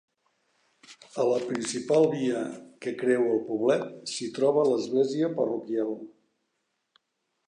A la principal via que creua el poblet s'hi troba l'església parroquial.